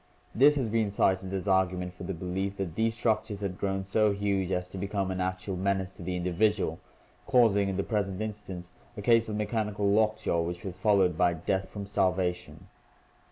This has been cited as argument for the belief that these structures had grown so huge as to become an actual menace to the individual, causing in the present instance a case of mechanical lockjaw which was followed by death from starvation.